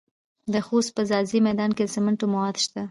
د خوست په ځاځي میدان کې د سمنټو مواد شته.